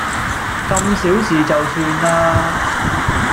咁小事就算啦